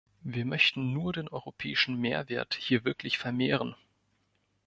Wir möchten nur den europäischen Mehrwert hier wirklich vermehren.